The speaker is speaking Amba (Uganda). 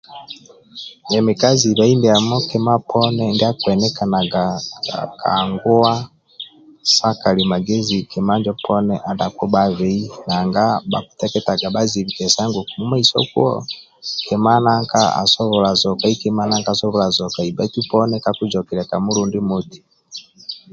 emi ka zibhai ndiamo kima poni ndia kihenikanaga ka nguwa sa kali magezi kima inno poni ada kubabhei nanga bakuteketaga bazibhikesa ngu kamumaiso kuwo kima nanga aaobola zokai kima nanka asobola zokai baitu poni kaku zokilya kamulindi moti